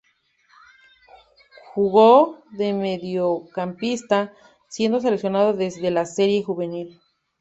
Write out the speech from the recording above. Jugó de mediocampista, siendo seleccionado desde la serie juvenil.